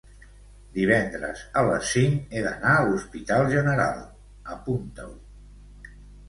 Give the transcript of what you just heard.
Divendres a les cinc he d'anar a l'Hospital General, apunta-ho.